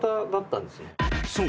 ［そう。